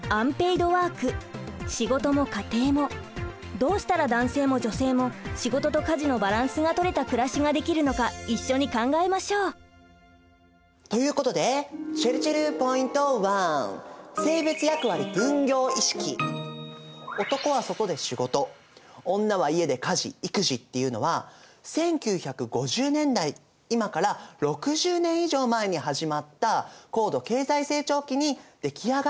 どうしたら男性も女性も仕事と家事のバランスがとれた暮らしができるのか一緒に考えましょう！ということでちぇるちぇるポイント１。っていうのは１９５０年代今から６０年以上前に始まった高度経済成長期に出来上がった考え方なんです。